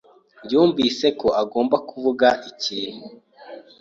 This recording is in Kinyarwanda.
yumvise ko agomba kuvuga ikintu.